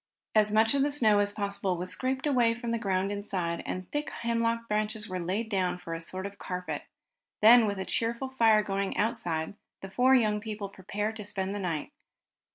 As much of the snow as possible was scraped away from the ground inside, and thick hemlock branches were laid down for a sort of carpet. Then, with the cheerful fire going outside, the four young people prepared to spend the night.